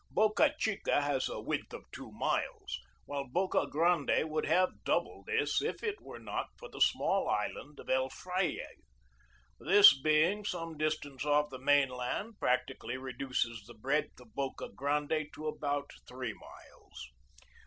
Boca Chica has a width of two miles, while Boca Grande would have double this if it were not for the small island of El Fraile. This, being some distance off the main land, practically reduces the breadth of Boca Grande to about three miles.